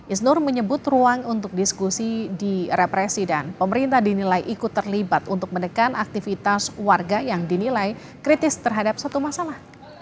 isnur menyebut ruang untuk diskusi di represi dan pemerintah dinilai ikut terlibat untuk menekan aktivitas warga yang dinilai kritis terhadap satu masalah